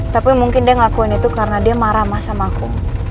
tapi mungkin dia ngelakuin itu karena dia marah sama aku